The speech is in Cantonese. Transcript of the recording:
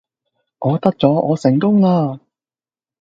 我得咗，我成功啦